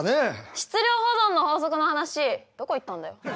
質量保存の法則の話どこ行ったんだよ？